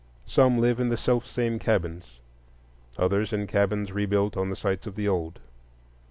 Some live in the self same cabins, others in cabins rebuilt on the sites of the old.